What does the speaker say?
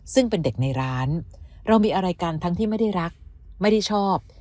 ซึ่งเป็นเด็กในร้านเรามีอะไรกันทั้งที่ไม่ได้รักไม่ได้ชอบ